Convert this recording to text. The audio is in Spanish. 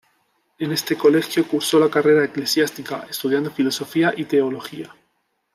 En este colegio cursó la carrera eclesiástica, estudiando Filosofía y Teología.